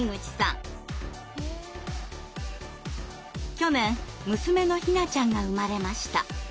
去年娘のひなちゃんが生まれました。